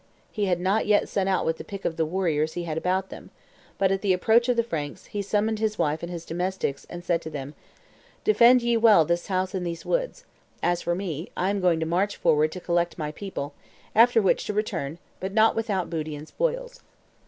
He had not yet set out with the pick of the warriors he had about him; but, at the approach of the Franks, he summoned his wife and his domestics, and said to them, "Defend ye well this house and these woods; as for me, I am going to march forward to collect my people; after which to return, but not without booty and spoils."